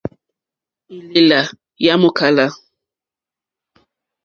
Élèlà yá mòkálá.